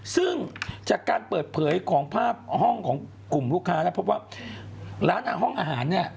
ซึ่งจากการเปิดเผยของภาพห้องของกลุ่มลูกค้าพบว่าร้านห้องอาหาร